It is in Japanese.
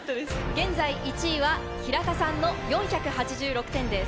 現在１位は平田さんの４８６点です。